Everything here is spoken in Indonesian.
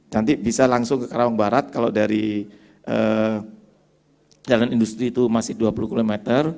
nanti bisa langsung ke kerawang barat kalau dari jalan industri itu masih dua puluh km